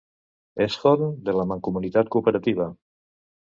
Eshorn de la Mancomunitat Cooperativa.